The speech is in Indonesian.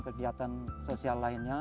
kegiatan sosial lainnya